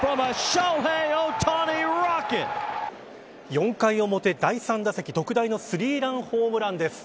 ４回表、第３打席特大のスリーランホームランです。